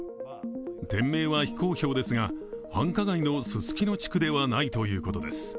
店名は非公表ですが、繁華街のすすきの地区ではないということです。